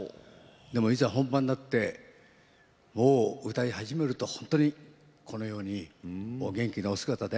でもいざ本番になってもう歌い始めるとほんとにこのようにお元気なお姿で。